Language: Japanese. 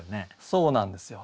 そうなんですよ。